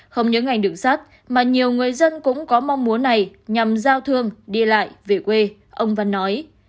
không những ngành đường sắt mà nhiều người dân cũng có mong muốn này nhằm giao thương đi lại về quê ông văn nói